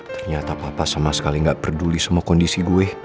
ternyata papa sama sekali nggak peduli sama kondisi gue